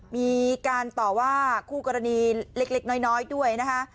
มีการต่อว่าคู่กรณีเล็กน้อยด้วยนะคะ